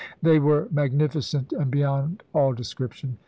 They were magnificent, and beyond all description."